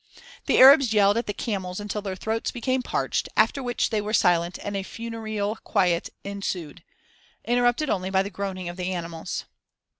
The Arabs yelled at the camels until their throats became parched, after which they were silent and a funereal quiet ensued, interrupted only by the groaning of the animals.